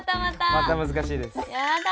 また難しいです。